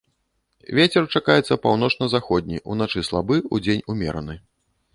Вецер чакаецца паўночна-заходні, уначы слабы, удзень умераны.